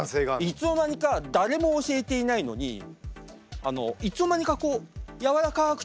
いつの間にか誰も教えていないのにいつの間にかこうやわらかく着地するの覚えてる。